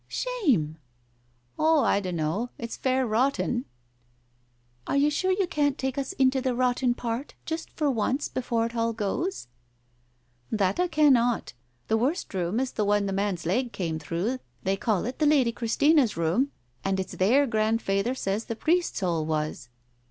"Shame!" "Oh, I dunno. It's fair rotten." "Are you sure you can't take us into the rotten part — just for once before it all goes ?" "That I cannot. The worst room is the one the man's leg came through — they call it the Lady Christina's room. And it's there Grandfeyther says the priest's hole was."